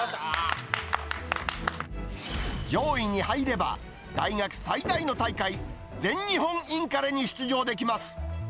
上位に入れば、大学最大の大会、全日本インカレに出場できます。